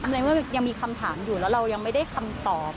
ในเมื่อยังมีคำถามอยู่แล้วเรายังไม่ได้คำตอบ